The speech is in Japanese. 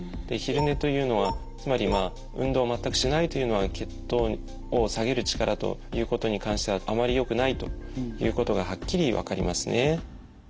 で昼寝というのはつまりまあ運動を全くしないというのは血糖を下げる力ということに関してはあまりよくないということがはっきり分かりますね。